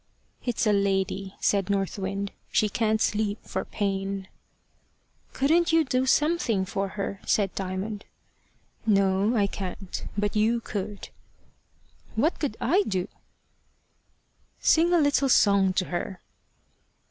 "It's a lady," said North Wind. "She can't sleep for pain." "Couldn't you do something for her?" said Diamond. "No, I can't. But you could." "What could I do?" "Sing a little song to her."